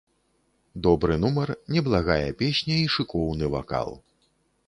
Добры нумар, неблагая песня і шыкоўны вакал.